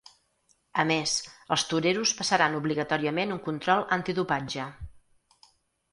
A més, els toreros passaran obligatòriament un control antidopatge.